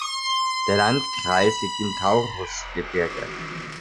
Der Landkreis liegt im Taurusgebirge.